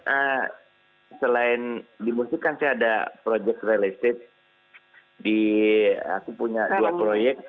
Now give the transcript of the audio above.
eee selain di musik kan saya ada project real estate di aku punya dua proyek